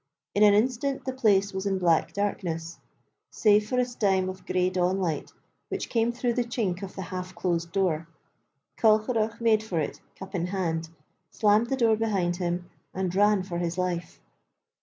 In an instant the place was in black darkness, save for a stime of grey dawn light which came through the chink of the half closed door. Colcheragh made for it, cup in hand, slammed the door behind him, and ran for his life.